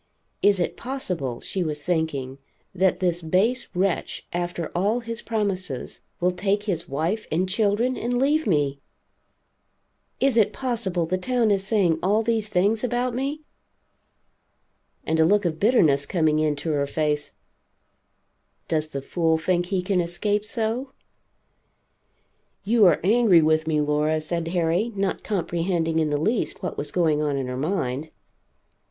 Is it possible, she was thinking, that this base wretch, after all his promises, will take his wife and children and leave me? Is it possible the town is saying all these things about me? And a look of bitterness coming into her face does the fool think he can escape so? "You are angry with me, Laura," said Harry, not comprehending in the least what was going on in her mind.